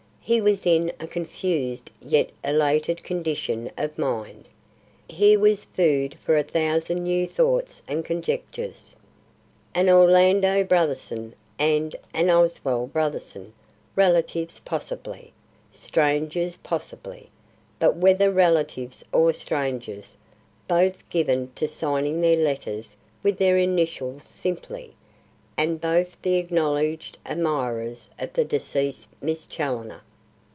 He was in a confused yet elated condition of mind. Here was food for a thousand new thoughts and conjectures. An Orlando Brotherson and an Oswald Brotherson relatives possibly, strangers possibly; but whether relatives or strangers, both given to signing their letters with their initials simply; and both the acknowledged admirers of the deceased Miss Challoner.